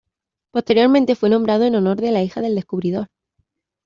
Posteriormente fue nombrado en honor de la hija del descubridor.